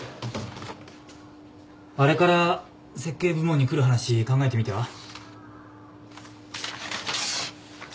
あれから設計部門に来る話考えてみた？